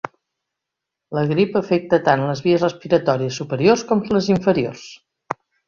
La grip afecta tant les vies respiratòries superiors com les inferiors.